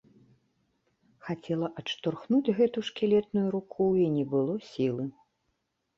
Хацела адштурхнуць гэту шкілетную руку, і не было сілы.